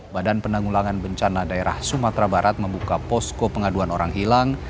badan penanggulangan bencana daerah sumatera barat membuka posko pengaduan orang hilang